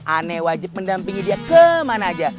aneh wajib mendampingi dia kemana aja